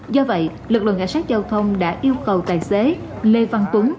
do vậy lực lượng cảnh sát giao thông đã yêu cầu tài xế lê văn tuấn